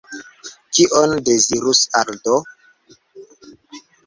Kion dezirus Aldo?